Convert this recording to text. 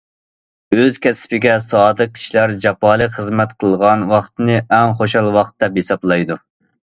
ئۆز كەسپىگە سادىق كىشىلەر جاپالىق خىزمەت قىلغان ۋاقتىنى ئەڭ خۇشال ۋاقتى دەپ ھېسابلايدۇ.